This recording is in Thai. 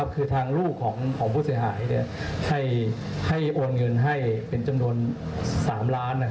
คือทางลูกของผู้เสียหายให้โอนเงินให้เป็นจำนวน๓ล้าน